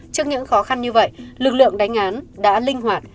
trước những khó khăn như vậy lực lượng đánh án đã linh hoạt